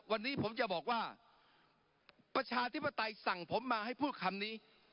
วันนี้ผมจะบอกว่าประชาธิปไตยสั่งผมมาให้พูดคำนี้